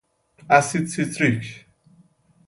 اسید سیتریک